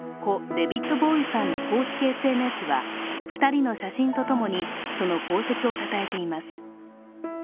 デビッド・ボウイさんの公式ＳＮＳは２人の写真とともに、その功績をたたえています。